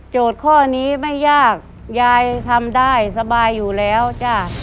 ข้อนี้ไม่ยากยายทำได้สบายอยู่แล้วจ้ะ